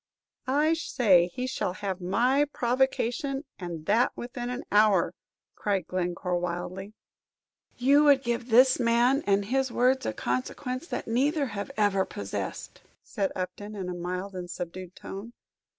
"I say he shall have my provocation, and that within an hour!" cried Glencore, wildly. "You would give this man and his words a consequence that neither have ever possessed," said Upton, in a mild and subdued tone.